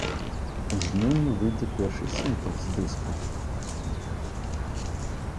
У жніўні выйдзе першы сінгл з дыску.